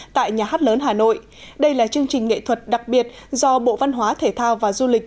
tại nhà hát lớn hà nội đây là chương trình nghệ thuật đặc biệt do bộ văn hóa thể thao và du lịch